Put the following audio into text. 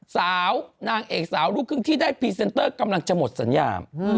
สาวนางเอกสาวลูกครึ่งที่ได้พรีเซนเตอร์กำลังจะหมดสัญญา